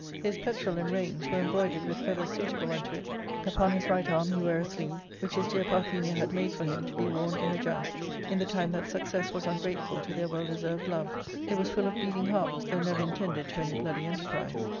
His petrell* and reins were embroidered with feathers suitable unto it ; upon his right arm he ware a sleeve which his dear Parthenia had made for him to be worn in a jousts, in the time that success was ungrateful to their well deserved love ; it was full of bleeding hearts, though never intended to any bloody enter prise.